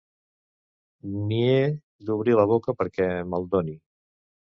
Ni he d'obrir la boca perquè me'l doni.